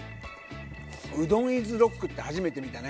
うどんイズロックって初めて見たね。